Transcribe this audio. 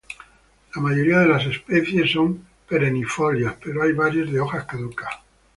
La mayoría de las especies son perennifolias pero hay varias de hojas caducas.